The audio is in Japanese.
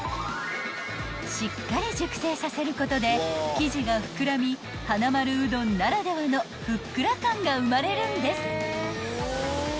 ［しっかり熟成させることで生地が膨らみはなまるうどんならではのふっくら感が生まれるんです］